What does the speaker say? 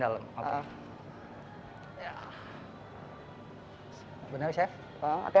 iya biasanya biraz terarut